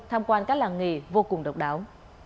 tham quan các làng nghề vô cùng độc đáo